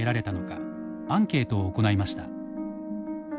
アンケートを行いました。